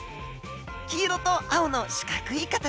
黄色と青の四角い形。